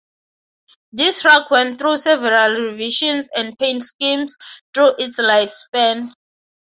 This truck went through several revisions and paint schemes through its lifespan.